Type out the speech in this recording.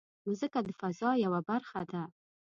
مځکه د فضا یوه برخه ده.